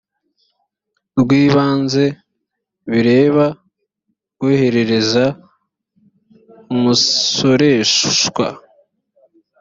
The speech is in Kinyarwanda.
rw ibanze bireba rwoherereza umusoreshwa